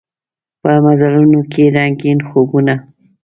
په مزلونوکې رنګین خوبونه